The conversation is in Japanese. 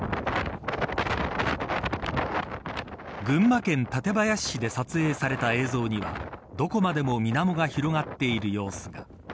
群馬県館林市で撮影された映像にはどこまでも水面が広がっている様子が。